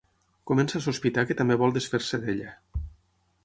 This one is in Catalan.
Comença a sospitar que també vol desfer-se d'ella.